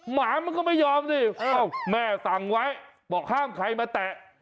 หมามันก็ไม่ยอมสิแม่สั่งไว้บอกห้ามใครมาแตะ